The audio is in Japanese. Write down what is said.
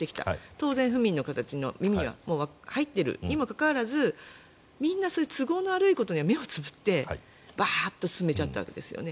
当然、府民の方の耳には入っているにもかかわらずみんな、そういう都合の悪いことには目をつぶってバッと進めちゃったわけですよね。